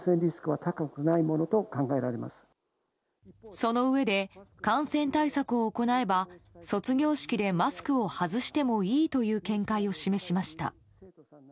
そのうえで感染対策を行えば卒業式でマスクを外してもいいという見解を示しました。